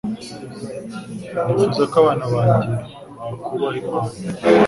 nifuza ko abana banjye bakubaha imana